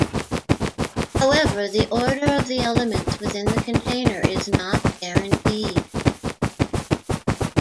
However, the order of the elements within the container is not guaranteed.